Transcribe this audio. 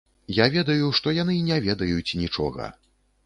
Я ведаю, што яны не ведаюць нічога.